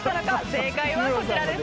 正解はこちらです。